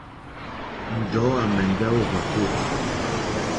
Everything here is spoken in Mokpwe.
Njɔ̀ɔ́ à mɛ̀ndɛ́ ó hwàkó.